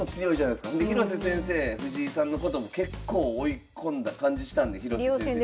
広瀬先生藤井さんのことも結構追い込んだ感じしたんで。